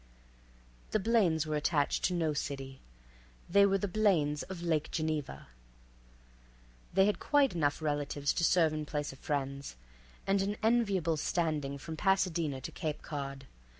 The Blaines were attached to no city. They were the Blaines of Lake Geneva; they had quite enough relatives to serve in place of friends, and an enviable standing from Pasadena to Cape Cod.